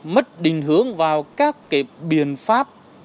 mất đình hướng vào các biện pháp